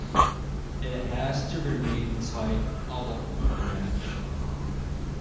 It has to remain tight all through the match.